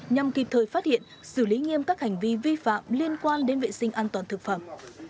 nhằm kịp thời phát hiện xử lý nghiêm các hành vi vi phạm liên quan đến vệ sinh an toàn thực phẩm